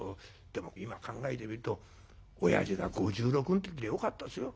でも今考えてみるとおやじが５６ん時でよかったですよ。